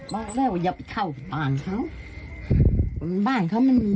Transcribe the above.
บอกแล้วบอกแล้วบอกแล้ว